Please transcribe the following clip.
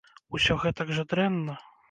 Усё гэтак жа дрэнна?